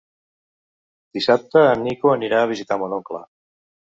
Dissabte en Nico anirà a visitar mon oncle.